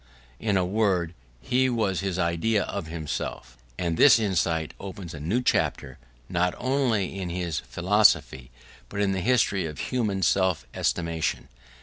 In a word, he was his idea of himself: and this insight opens a new chapter not only in his philosophy but in the history of human self estimation.